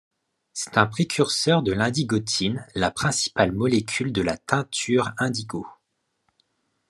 C'est un précurseur de l'indigotine, la principale molécule de la teinture indigo.